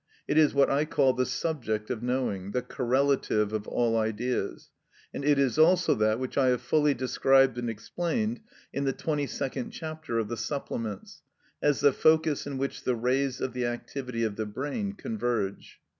It is what I call the subject of knowing, the correlative of all ideas, and it is also that which I have fully described and explained in the 22d chapter of the Supplements, as the focus in which the rays of the activity of the brain converge.